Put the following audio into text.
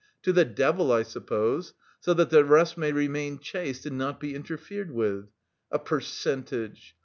to the devil, I suppose, so that the rest may remain chaste, and not be interfered with. A percentage!